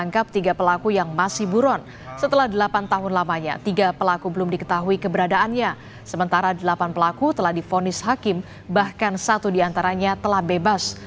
ketika di vonis hakim bahkan satu di antaranya telah bebas